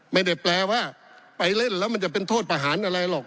ไม่ได้แปลว่าไปเล่นแล้วมันจะเป็นโทษประหารอะไรหรอก